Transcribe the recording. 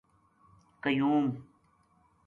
قیو م